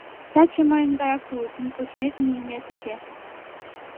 — Таче мыйын гаяк улат: ни кочмет, ни йӱмет уке.